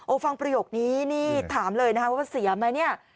โอ้ฟังประโยคนี้นี่ถามเลยนะครับว่าเสียมาเนี่ย